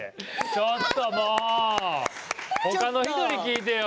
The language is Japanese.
ちょっともう他の人に聞いてよ！